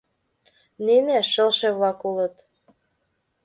Нине шылше-влак улыт.